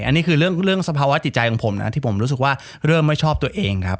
อันนี้คือเรื่องสภาวะจิตใจของผมนะที่ผมรู้สึกว่าเริ่มไม่ชอบตัวเองครับ